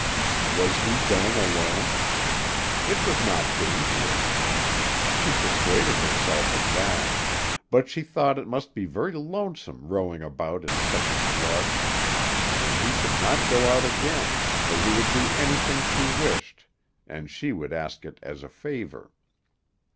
Was he going alone? It was not dangerous; she persuaded herself of that, but she thought it must be very lonesome rowing about in such a flood; and he should not go out again, for he would do anything she wished, and she would ask it as a favor.